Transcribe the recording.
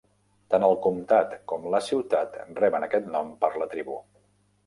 Tant el comtat com la ciutat reben aquest nom per la tribu.